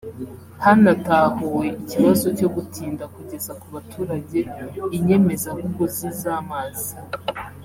Hanatahuwe ikibazo cyo gutinda kugeza ku baturage inyemezabuguzi z’amazi